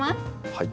はい。